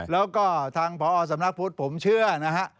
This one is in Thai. แล้วก็ทางพอสำนักพุทธผมเชื่อนะฮะ